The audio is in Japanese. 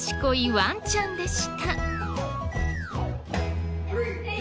ワンちゃんでした。